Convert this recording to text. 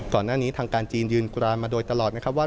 ก่อนหน้านี้ทางการจีนยืนกรานมาโดยตลอดนะครับว่า